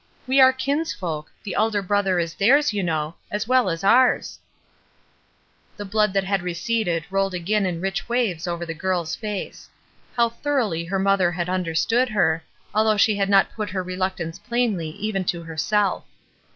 We are kinsfolk; the Elder Brother is theirs, you know, as well as ours/' The blood that had receded rolled again in rich waves over the girl's face. How thoroughly her mother had understood her, although she had not put her reluctance plainly even to herself.